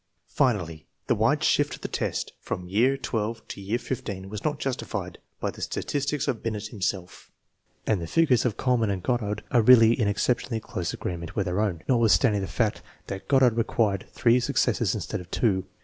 Finally., the wide shift of the test from year XII to year XV was not justified by the statistics of Binet himself, and the figures of Kuhl mann and Goddard are really in exceptionally close agree ment with our own, notwithstanding the fact that Goddard required three successes instead of two.